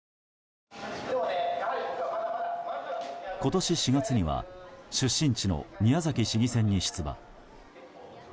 今年４月には出身地の宮崎市議選に出馬。